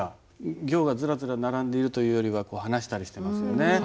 行がずらずら並んでいるというよりは離したりしてますよね。